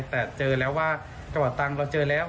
แต่เจอแล้วว่ากระเป๋าตั้งเราเจอแล้ว